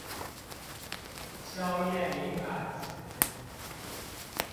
消滅敏感詞